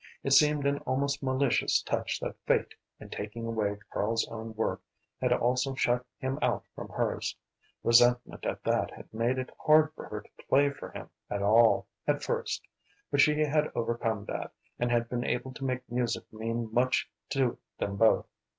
It seemed an almost malicious touch that fate, in taking away Karl's own work, had also shut him out from hers. Resentment at that had made it hard for her to play for him at all, at first. But she had overcome that, and had been able to make music mean much to them both.